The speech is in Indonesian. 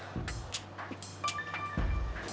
mereka pasti akan terpisah